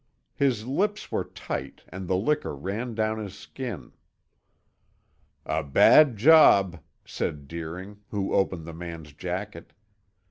His lips were tight and the liquor ran down his skin. "A bad job!" said Deering, who opened the man's jacket.